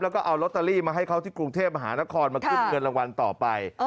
แล้วก็เอาลอตเตอรี่มาให้เขาที่กรุงเทพมหานครมาขึ้นเงินรางวัลต่อไป